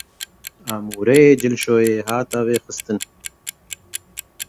Amûreyê cilşoyê hate vêxistin